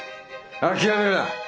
諦めるな。